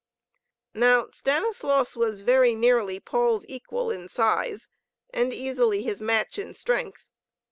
Now Stanislaus was very nearly Paul's equal in size, and easily his match in strength.